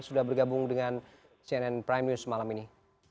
sudah bergabung dengan cnn prime news malam ini